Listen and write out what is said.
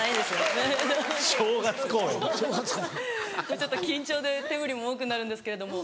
ちょっと緊張で手振りも多くなるんですけれども。